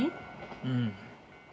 うん。